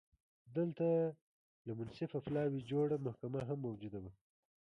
دلته له منصفه پلاوي جوړه محکمه هم موجوده وه